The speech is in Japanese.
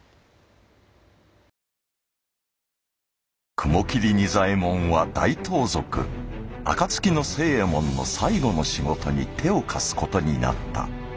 雲霧仁左衛門は大盗賊暁の星右衛門の最後の仕事に手を貸す事になった。